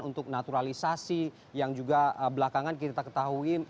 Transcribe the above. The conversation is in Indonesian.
untuk naturalisasi yang juga belakangan kita ketahui